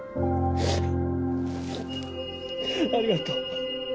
ありがとう。